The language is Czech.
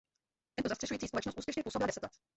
Tato zastřešující společnost úspěšně působila deset let.